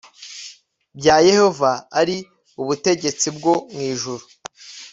bwa yehova ari ubutegetsi bwo mu ijuru